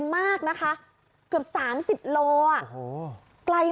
ป้าของน้องธันวาผู้ชมข่าวอ่อน